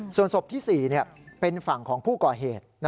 ส่วนศพที่๔เป็นฝั่งของผู้ก่อเหตุ